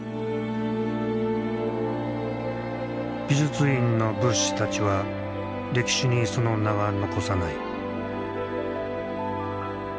美術院の仏師たちは歴史にその名は残さない。